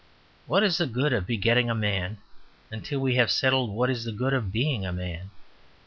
What is the good of begetting a man until we have settled what is the good of being a man?